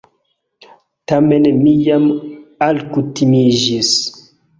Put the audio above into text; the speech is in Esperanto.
Tamen mi jam alkutimiĝis.